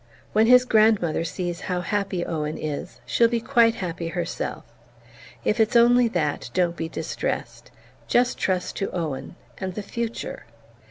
"When his grandmother sees how happy Owen is she'll be quite happy herself. If it's only that, don't be distressed. Just trust to Owen and the future."